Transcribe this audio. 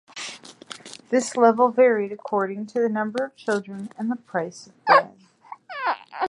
This level varied according to the number of children and the price of bread.